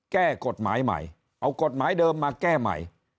แก้กฎหมายใหม่เอากฎหมายเดิมมาแก้ใหม่